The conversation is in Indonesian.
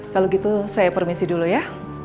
kalau gitu saya permisi dulu ya